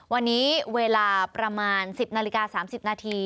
วันนี้เวลาประมาณ๑๐นาฬิกา๓๐นาที